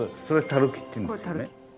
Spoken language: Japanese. それ垂木っていうんですよね。